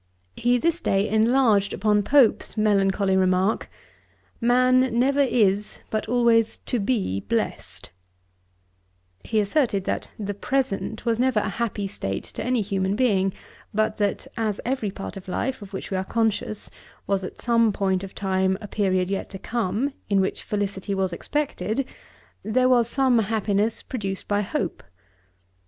He this day enlarged upon Pope's melancholy remark, 'Man never is, but always to be blest.' He asserted that the present was never a happy state to any human being; but that, as every part of life, of which we are conscious, was at some point of time a period yet to come, in which felicity was expected, there was some happiness produced by hope.